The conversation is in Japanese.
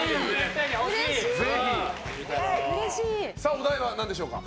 お題は何でしょうか。